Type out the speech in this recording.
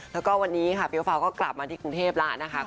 แล้วก็วันนี้ค่ะเฟียวฟาวก็กลับมาที่กรุงเทพแล้วนะคะ